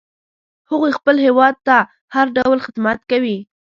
هغوی خپل هیواد ته هر ډول خدمت کوي